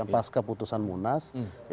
pas keputusan munas